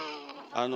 あの。